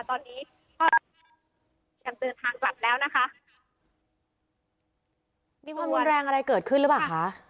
ตอนนี้ก็ยังเดินทางกลับแล้วนะคะมีความรุนแรงอะไรเกิดขึ้นหรือเปล่าคะ